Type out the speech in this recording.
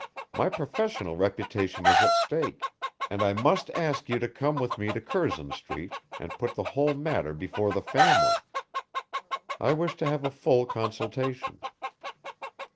My professional reputation is at stake and I must ask you to come with me to Curzon Street and put the whole matter before the family. I wish to have a full consultation."